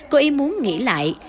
cô ý muốn nghỉ lại